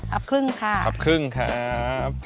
ครึ่งค่ะอับครึ่งครับ